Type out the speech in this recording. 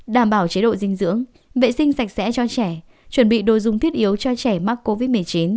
đảm bảo chế độ dinh dưỡng vệ sinh sạch sẽ cho trẻ chuẩn bị đồ dùng thiết yếu cho trẻ mắc covid một mươi chín